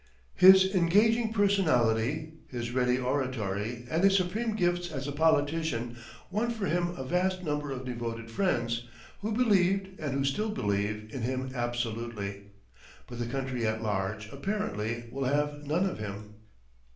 His engaging personality, his ready oratory, and his supreme gifts as a politician won for him a vast number of devoted friends, who believed, and who still believe, in him absolutely; but the country at large, apparently, will have none of him.